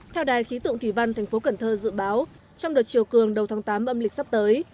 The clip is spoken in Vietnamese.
theo đài khí tượng thủy văn thành phố cần thơ dự báo trong đợt chiều cường đầu tháng tám âm lịch sắp tới